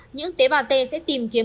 những tế bào t sẽ tìm kiếm